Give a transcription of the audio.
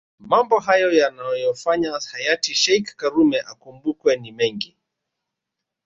Mambo hayo yanayofanya hayati sheikh karume akumbukwe ni mengi